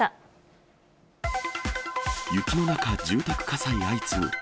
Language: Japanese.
雪の中、住宅火災相次ぐ。